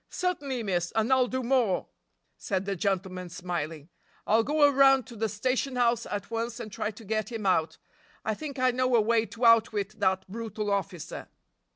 "Certainly, miss, and I'll do more," said the gentleman smiling; "I'll go around to the station house at once and try to get him out. I think I know a way to outwit that brutal officer."